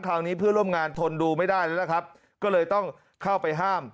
คราวนี้เพื่อนร่วมงานทนดูไม่ได้แล้วนะครับก็เลยต้องเข้าไปห้าม